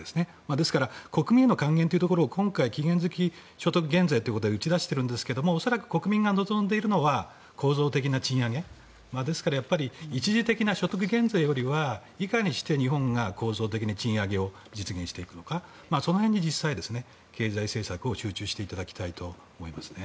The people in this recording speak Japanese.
ですから国民への還元というところを今回期限付き所得減税ということで打ち出していますが恐らく国民が望んでいるのは構造的な賃上げ。ですから一時的な所得減税よりはいかにして、日本が構造的に賃上げを実現していくのかその辺が実際経済政策を集中していただきたいと思いますね。